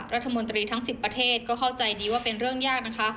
รัฐมนตรีทั้ง๑๐ประเทศก็เข้าใจดีว่าเป็นเรื่องยากนะคะ